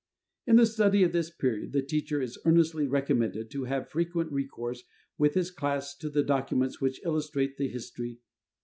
In the study of this period the teacher is earnestly recommended to have frequent recourse with his class to the documents which illustrate the history.